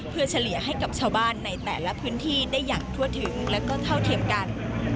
เพื่อเฉลี่ยให้กับชาวบ้านในแต่ละพื้นที่ได้อย่างทั่วถึงและก็เท่าเทียมกัน